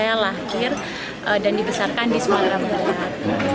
saya lahir dan dibesarkan di sumatera barat